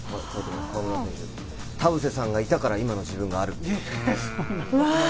田臥さんがいたから今の自分がある。